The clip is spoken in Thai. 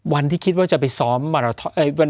วันที่คิดว่าจะไปซ้อมมาราทอน